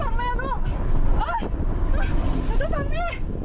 น้องเจ้าฟังแม่